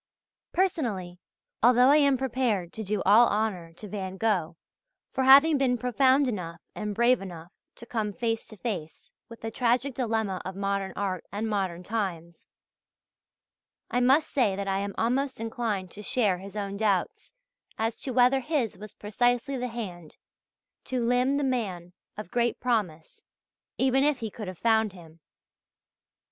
Personally, although I am prepared to do all honour to Van Gogh for having been profound enough and brave enough to come face to face with the tragic dilemma of modern art and modern times, I must say that I am almost inclined to share his own doubts as to whether his was precisely the hand to limn the man of great promise even if he could have found him.